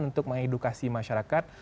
untuk mengedukasi masyarakat